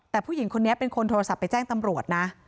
แต่ผู้หญิงคนนี้เป็นคนโทรศัพท์ไปแจ้งตำรวจนะ